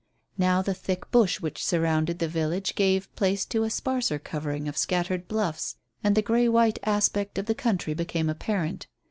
Now the thick bush, which surrounded the village, gave place to a sparser covering of scattered bluffs, and the grey white aspect of the country became apparent.